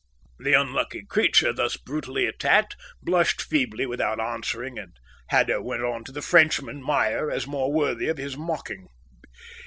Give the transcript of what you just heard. The unlucky creature, thus brutally attacked, blushed feebly without answering, and Haddo went on to the Frenchman, Meyer as more worthy of his mocking.